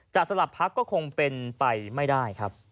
สลับพักก็คงเป็นไปไม่ได้ครับ